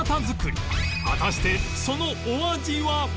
果たしてそのお味は？